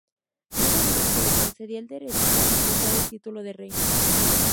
Además, se le concedía el derecho a utilizar el título de reina.